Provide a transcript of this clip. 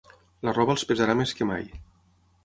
La roba els pesarà més que mai.